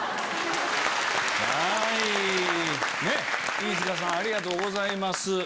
飯塚さんありがとうございます。